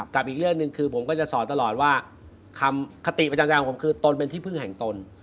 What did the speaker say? กับอีกเรื่องหนึ่งคือผมก็จะสอนตลอดว่าคำคติประจำใจของผมคือตนเป็นที่พึ่งแห่งตน